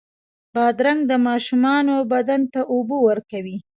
بادرنګ د ماشومانو بدن ته اوبه ورکوي.